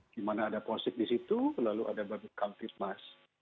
di mana ada posik di situ lalu ada babit kamtip mas